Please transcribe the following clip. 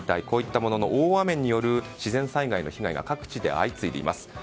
こういったものの大雨による自然災害の被害が各地で相次いでいます。